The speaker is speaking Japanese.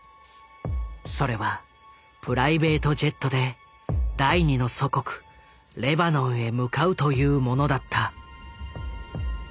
それはプライベートジェットで第２の祖国レバノンへ向かうというものだった。